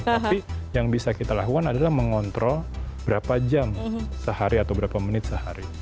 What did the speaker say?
tapi yang bisa kita lakukan adalah mengontrol berapa jam sehari atau berapa menit sehari